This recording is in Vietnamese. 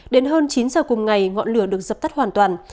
đến hơn chín giờ cùng ngày ngọn lửa được dập tắt hoàn toàn